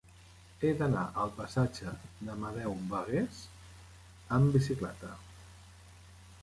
He d'anar al passatge d'Amadeu Bagués amb bicicleta.